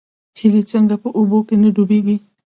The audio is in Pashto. هیلۍ څنګه په اوبو کې نه ډوبیږي؟